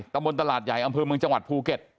ตำบลตลาดใหญ่อำเภอเมืองจังหวัดภูเก็ต